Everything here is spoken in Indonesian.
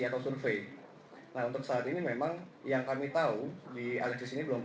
kalau event yang menyangkut adanya orang asing